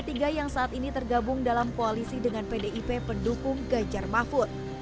p tiga yang saat ini tergabung dalam koalisi dengan pdip pendukung ganjar mahfud